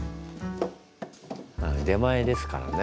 出前ですからね。